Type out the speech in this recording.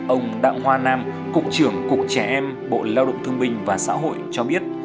ông đặng hoa nam cục trưởng cục trẻ em bộ lao động thương minh và xã hội cho biết